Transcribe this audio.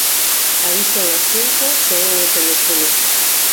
A iso das cinco soou o teléfono.